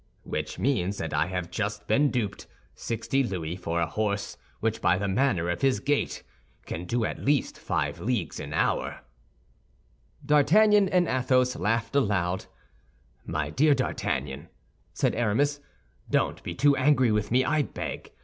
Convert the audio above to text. "Which means that I have just been duped—sixty louis for a horse which by the manner of his gait can do at least five leagues an hour." D'Artagnan and Athos laughed aloud. "My dear D'Artagnan," said Aramis, "don't be too angry with me, I beg.